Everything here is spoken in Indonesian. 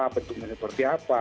bentuknya seperti apa